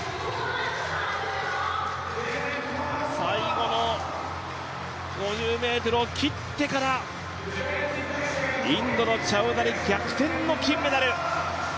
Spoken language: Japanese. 最後の５０ｍを切ってからインドのチャウダリ逆転の金メダル。